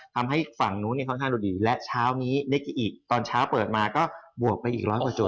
ทำให้ฝั่งนู้นเนี่ยค่อนข้างดูดีและเช้านี้เนกิอิตอนเช้าเปิดมาก็บวกไปอีกร้อยกว่าโจ